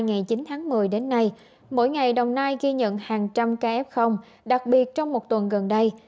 từ ngày chín tháng một mươi đến nay mỗi ngày đồng nai ghi nhận hàng trăm ca f đặc biệt trong một tuần gần đây